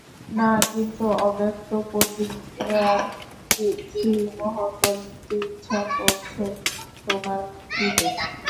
না, কিন্তু অব্যক্ত প্রতিজ্ঞার সীলমোহর করে নিতে ইচ্ছা করছে তোমার মুখটিতে।